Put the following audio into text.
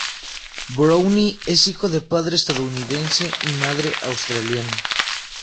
Browne es hijo de padre estadounidense y madre australiana.